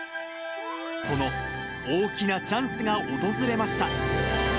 その大きなチャンスが訪れました。